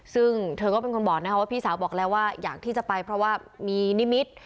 ซึ่งเธอก็เป็นคนบอกนะครับว่าพี่สาวบอกแล้วว่าอยากที่จะไปเพราะว่ามีนิมิตร